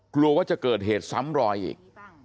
กลัวว่าจะเกิดเหตุซ้ำรอยอีก